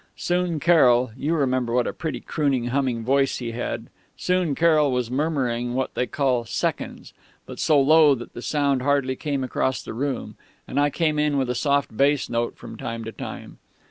Soon Carroll you remember what a pretty crooning, humming voice he had soon Carroll was murmuring what they call 'seconds,' but so low that the sound hardly came across the room; and I came in with a soft bass note from time to time.